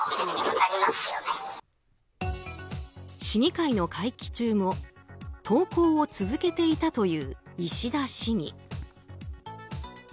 市議会の会期中も投稿を続けていたという石田市議。